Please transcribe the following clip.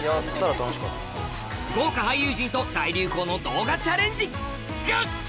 豪華俳優陣と大流行の動画チャレンジが！